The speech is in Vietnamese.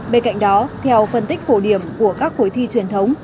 bên cạnh đó theo phân tích phổ điểm của các khối thi truyền thống